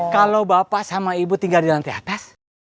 kalau bapak sama ibu tinggal di lantai atas